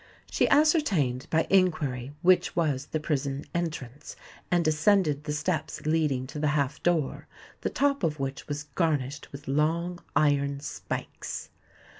She ascertained, by inquiry, which was the prison entrance, and ascended the steps leading to the half door, the top of which was garnished with long iron spikes.